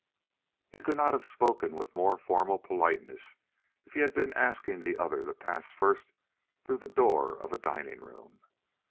He could not have spoken with a more formal politeness if he had been asking the other to pass first through the door of a dining room.